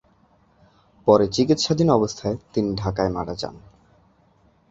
পরে চিকিৎসাধীন অবস্থায় তিনি ঢাকায় মারা যান।